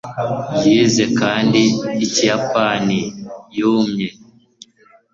yize kandi ikiyapani? (yumye